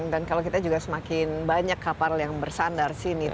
kalau kita juga semakin banyak kapal yang bersandar sini